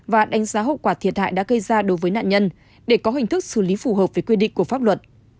và đánh giá hậu quả thiệt hại đã gây ra đối với nạn nhân để có hình thức xử lý phù hợp với quy định của pháp luật